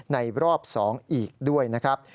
ในรอบ๒อีกด้วยนะครับ